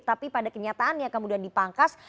tapi pada kenyataannya kemudian dipangkas